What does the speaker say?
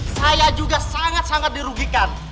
saya juga sangat sangat dirugikan